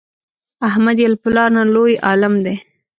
احمد یې له پلار نه لوی عالم دی.